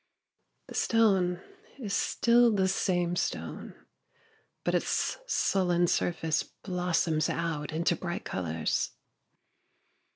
The stone is still the same stone ; but its sullen surface blossoms out into bright colours.